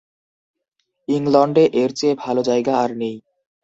ইংলন্ডে এর চেয়ে ভালো জায়গা আর নেই।